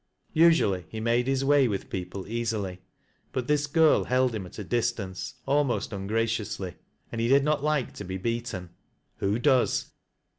Usually he made his way with people easily, but this girl held him at a distance, almost ungraciously. And he did not like to be beaten. Who does?